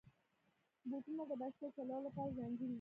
بوټونه د بایسکل چلولو لپاره ځانګړي وي.